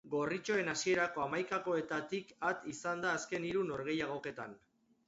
Gorritxoen hasierako hamaikakoetatik at izan da azken hiru norgehigoketan.